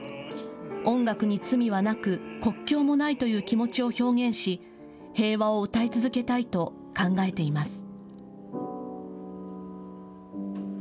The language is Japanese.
音楽に罪はなく国境もないという気持ちを表現し、平和を歌い続けたいと考えています。